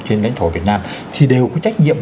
trên lãnh thổ việt nam thì đều có trách nhiệm